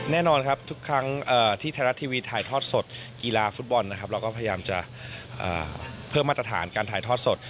แน่นอนครับทุกครั้งที่ไทยรัฐทีวีถ่ายทอดสดกีฬาฟุตบอลนะครับเราก็พยายามจะเพิ่มมาตรฐานการถ่ายทอดสด